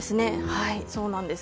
そうなんです。